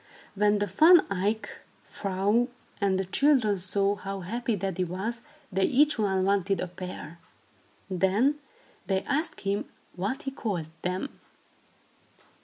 When the Van Eyck vrouw and the children saw how happy Daddy was, they each one wanted a pair. Then they asked him what he called them.